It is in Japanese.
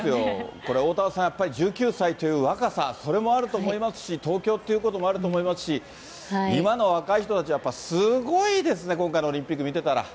これ、おおたわさん、１９歳という若さ、それもあると思いますし、東京っていうこともあると思いますし、今の若い人たち、やっぱりすごいですね、今回のオリンピック、見てたら。